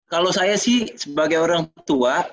kalau saya sih sebagai orang tua